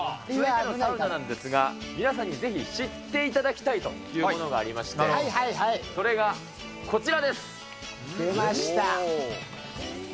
続いてのサウナなんですが、皆さんにぜひ知っていただきたいというものがありまして、それが出ました。